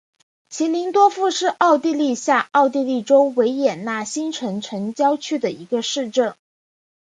齐灵多夫是奥地利下奥地利州维也纳新城城郊县的一个市镇。